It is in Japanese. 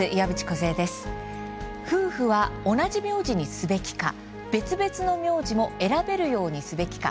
夫婦は同じ名字にすべきか別々の名字も選べるようにすべきか。